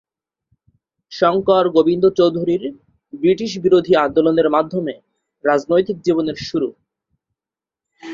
শংকর গোবিন্দ চৌধুরীর ব্রিটিশবিরোধী আন্দোলনের মাধ্যমে রাজনৈতিক জীবনের শুরু।